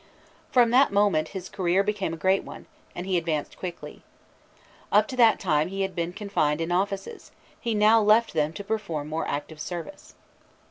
From that moment his career became a great one, and he advanced quickly. Up to that time he had been confined in offices; he now left them to perform more active service.